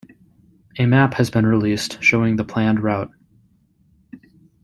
A map has been released showing the planned route.